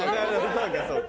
そうかそうか。